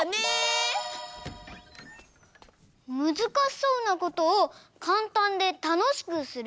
むずかしそうなことをかんたんでたのしくする？